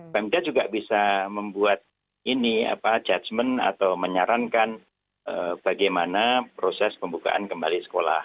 kemdanya juga bisa membuat judgment atau menyarankan bagaimana proses pembukaan kembali sekolah